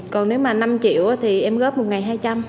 còn nếu mà năm triệu thì em góp một ngày hai trăm linh